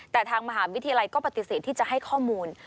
แต่ทางมหาวิทยาลัยก็ปฏิเสธที่จะให้ข้อมูล